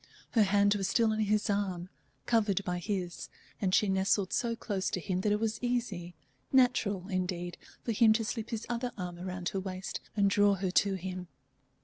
Her hand was still on his arm, covered by his, and she nestled so close to him that it was easy, natural, indeed, for him to slip his other arm around her waist and draw her to him.